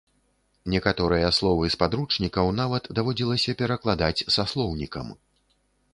Некаторыя словы з падручнікаў нават даводзілася перакладаць са слоўнікам.